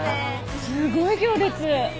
すごい行列！